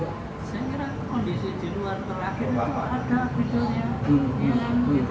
saya kira kondisi di luar ya